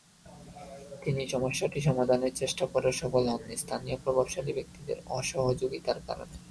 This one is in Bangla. তিনি সমস্যাটি সমাধানের চেষ্টা করেও সফল হননি স্থানীয় প্রভাবশালী ব্যক্তিদের অসহযোগিতার কারণে।